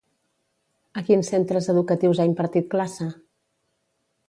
A quins centres educatius ha impartit classe?